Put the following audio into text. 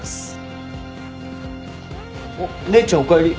あっ姉ちゃんおかえり。